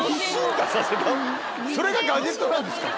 それがガジェットなんですか？